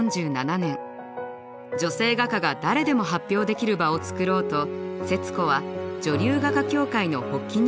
女性画家が誰でも発表できる場を作ろうと節子は女流画家協会の発起人になりました。